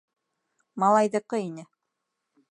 — Малайҙыҡы ине...